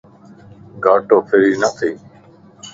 گاٽو فري نه ٿي